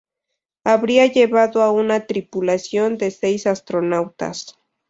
Habría llevado a una tripulación de seis astronautas.